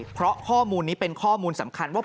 เพราะข้อมูลนี้เป็นข้อมูลสำคัญว่า